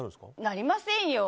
なりませんよ。